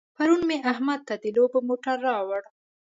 پرون مې احمد ته د لوبو موټر راوړ.